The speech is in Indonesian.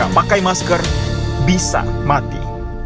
pakai masker harga mati